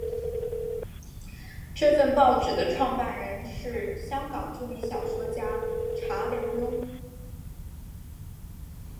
这份报纸的创办人是香港著名小说家查良镛。